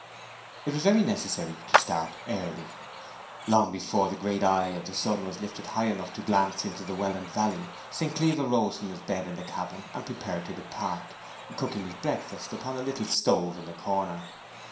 It was very necessary to start early. Long before the great eye of the sun was lifted high enough to glance into the Welland valley, St. Cleeve arose from his bed in the cabin and prepared to depart, cooking his breakfast upon a little stove in the corner.